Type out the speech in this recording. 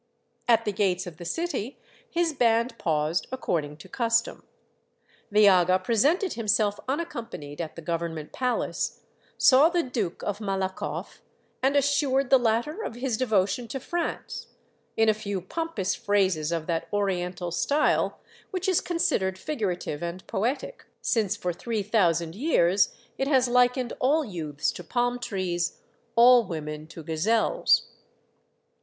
At the gates of the city his band paused according to custom. The aga presented himself unaccompanied at the Government Palace, saw the Duke of Malakoff, and assured the latter of his devotion to France, in a few pompous phrases of that Oriental style which is considered figurative and poetic, since for three thousand years it has hkened all youths to palm trees, all women to gazelles.